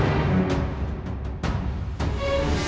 aku sudah berpikir